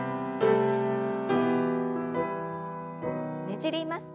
ねじります。